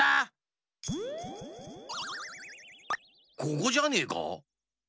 ここじゃねえか？